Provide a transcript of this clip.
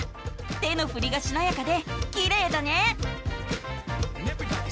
手のふりがしなやかできれいだね。